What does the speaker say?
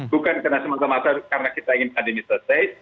bukan karena semata mata karena kita ingin pandemi selesai